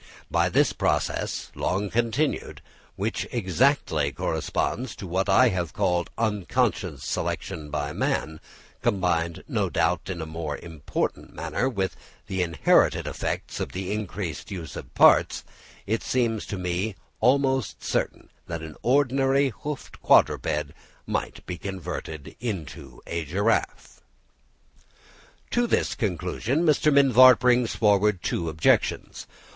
By this process long continued, which exactly corresponds with what I have called unconscious selection by man, combined, no doubt, in a most important manner with the inherited effects of the increased use of parts, it seems to me almost certain that an ordinary hoofed quadruped might be converted into a giraffe. To this conclusion Mr. Mivart brings forward two objections.